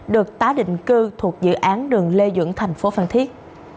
được tá định cư thuộc dự án đường lê dưỡng thành phố phan thiết